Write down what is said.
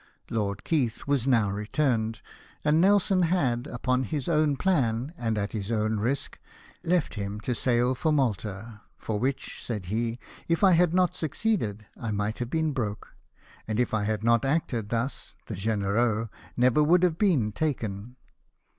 Lord Keith was now returned ; and Nelson had, upon his own plan, and at his own risk, left him to sail for Malta — "for which," said he, "if I had not suc ceeded, I might have been broke ; and if I had not acted thus the Gdnereiix never would have been taken."